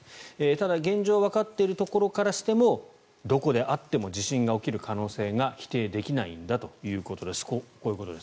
ただ、現状わかっているところからしてもどこであっても地震が起きる可能性が否定できないんだということです。